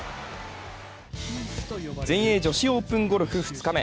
全英女子オープンゴルフ２日目。